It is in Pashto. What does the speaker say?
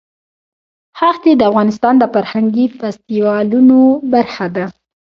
ښتې د افغانستان د فرهنګي فستیوالونو برخه ده.